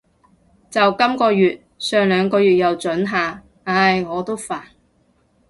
就今个月，上兩個月又准下。唉，我都煩